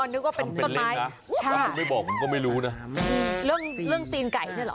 นึกว่าเป็นต้นไม้ถ้าคุณไม่บอกผมก็ไม่รู้นะเรื่องเรื่องตีนไก่เนี่ยเหรอ